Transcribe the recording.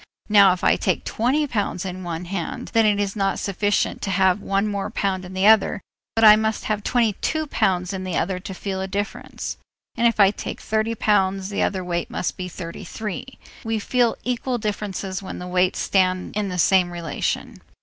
Now if I take twenty pounds in the one hand, then it is not sufficient to have one pound more in the other, but I must have twenty two pounds in the other to feel a difference, and if I take thirty pounds, the other weight must be thirty three. We feel equal differences when the weights stand in the same relation.